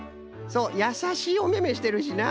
そうやさしいおめめしてるしな。